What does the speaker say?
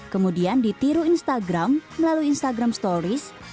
kemudian ditiru instagram melalui instagram stories